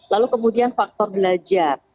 lalu kemudian faktor belajar